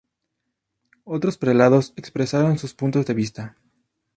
Otros prelados expresaron sus puntos de vista.